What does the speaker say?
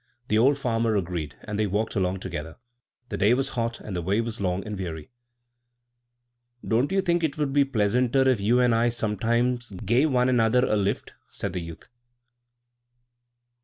The old farmer agreed, and they walked along together. The day was hot, and the way was long and weary. "Don't you think it would be pleasanter if you and I sometimes gave one another a lift?" said the youth.